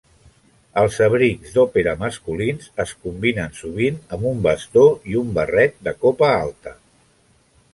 Els abrics d'òpera masculins es combinen sovint amb un bastó i un barret de copa alta.